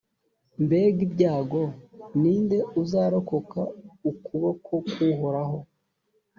mbega ibyago! ni nde uzarokoka ukuboko kw’uhoraho?